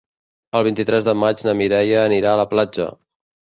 El vint-i-tres de maig na Mireia anirà a la platja.